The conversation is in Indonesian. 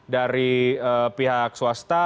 dari pihak swasta